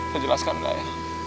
saya jelaskan enggak ya